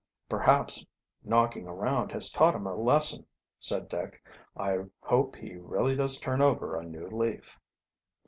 "Perhaps knocking around has taught him a lesson," said Dick. "I hope he really does turn over a new leaf."